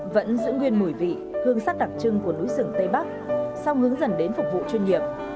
vẫn giữ nguyên mùi vị hương sắc đặc trưng của núi rừng tây bắc song hướng dần đến phục vụ chuyên nghiệp